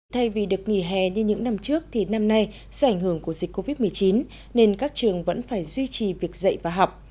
thay vì được nghỉ hè như những năm trước thì năm nay do ảnh hưởng của dịch covid một mươi chín nên các trường vẫn phải duy trì việc dạy và học